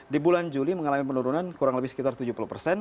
di bulan juli mengalami penurunan kurang lebih sekitar tujuh puluh persen